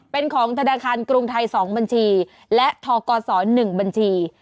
เป็นของธนาคารกรุงไทย๒บัญชีและทกศ๑บัญชี